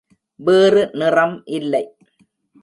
வேறு நிறம் இல்லை.